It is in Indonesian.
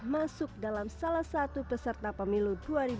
masuk dalam salah satu peserta pemilu dua ribu dua puluh